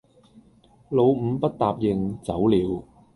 老五不答應，走了；